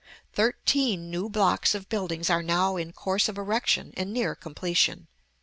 Thirteen new blocks of buildings are now in course of erection and near completion.